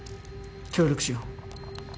協力しよう。